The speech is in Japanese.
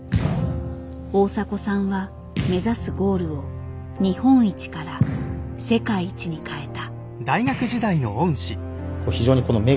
大迫さんは目指すゴールを日本一から世界一に変えた。